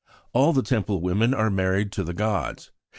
"All the Temple women are married to the gods.